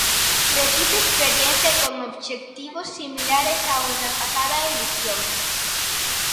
Repite experiencia con obxectivos similares aos da pasada edición.